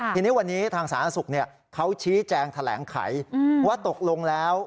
ทีนี้วันนี้ทางสถานศักดิ์ศุกร์เขาชี้แจงแถลงไขว่าตกลงแล้ว